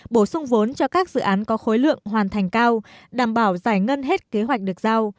bổ sung vốn cho các dự án có khối lượng hoàn thành cao đảm bảo giải ngân hết kế hoạch được giao